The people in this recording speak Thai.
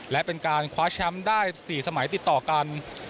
และเป็นการคว้าแชมป์ได้๔สมัยติดต่อกัน